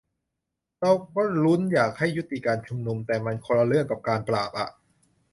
"เราก็ลุ้นอยากให้ยุติการชุมนุม แต่มันคนละเรื่องกับการปราบอะ"